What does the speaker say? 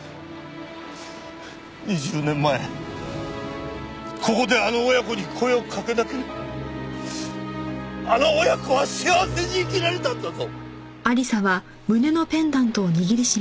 ２０年前ここであの親子に声をかけなければあの親子は幸せに生きられたんだぞ！